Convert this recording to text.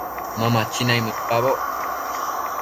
Ma machi naimëdpaboc